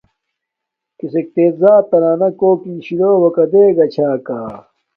کسک تے زات زورتنا کوکن شی لوواکا دگا چھا کا؟